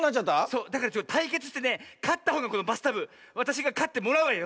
そうだからたいけつしてねかったほうがこのバスタブわたしがかってもらうわよ。